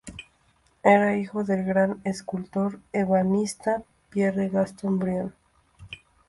Era hijo del gran escultor ebanista Pierre-Gaston Brion.